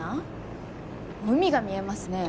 海が見えますね。